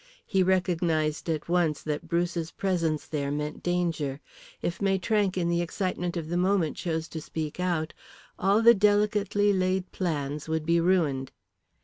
He recognised at once that Bruce's presence there meant danger. If Maitrank, in the excitement of the moment, chose to speak out, all the delicately laid plans would be ruined.